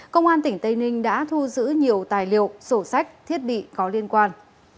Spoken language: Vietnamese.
công an tỉnh tây ninh đã thu giữ nhiều tài liệu sổ sách thiết bị có liên quan